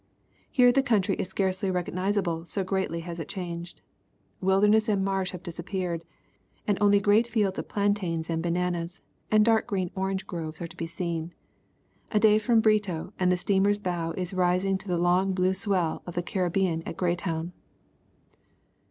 Here the country is scarcely recognizable so greatly has it changed. Wilderness and marsh have disappeared, and only great fields of plantains and bananas and dark green orange groves are to be seen. A day from Brito and the steamer's bow is rising to the long blue swell of the Caribbean at Greytown."